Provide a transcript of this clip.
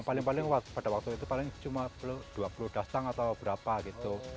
paling paling pada waktu itu paling cuma dua puluh datang atau berapa gitu